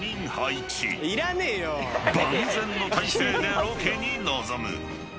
［万全の態勢でロケに臨む］